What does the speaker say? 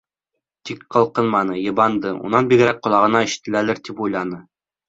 Тик ҡалҡынманы, йыбанды, унан бигерәк, ҡолағына ишетеләлер, тип уйланы.